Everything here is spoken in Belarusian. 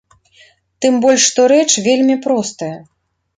Тым больш, што рэч вельмі простая.